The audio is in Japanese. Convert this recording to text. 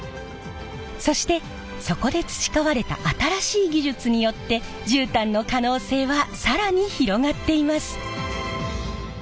そしてそこで培われた新しい技術によって絨毯の可能性は更に広がっています。